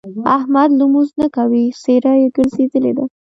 احمد لمونځ نه کوي؛ څېره يې ګرځېدلې ده.